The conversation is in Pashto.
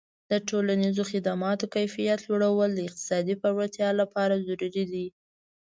د ټولنیزو خدماتو کیفیت لوړول د اقتصادي پیاوړتیا لپاره ضروري دي.